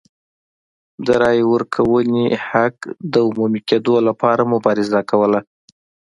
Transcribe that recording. د رایې ورکونې حق د عمومي کېدو لپاره مبارزه کوله.